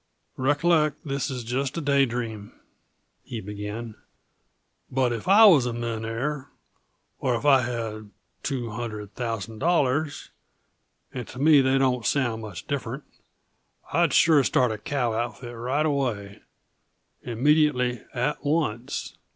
"Recollect, this is just a day dream," he began. "But, if I was a millionaire, or if I had two hundred thousand dollars and to me they don't sound much different I'd sure start a cow outfit right away immediately at once.